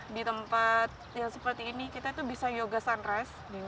di tempat yang seperti ini kita tuh bisa yoga sunrise